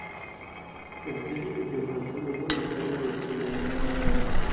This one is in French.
La série deviendra finalement une série estivale.